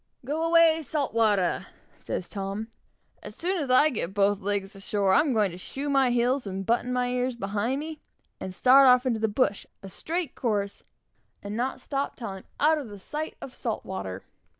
"Go away, salt water!" says Tom. "As soon as I get both legs ashore, I'm going to shoe my heels, and button my ears behind me, and start off into the bush, a straight course, and not stop till I'm out of the sight of salt water!"